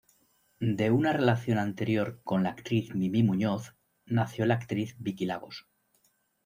De una relación anterior con la actriz Mimí Muñoz nació la actriz Vicky Lagos.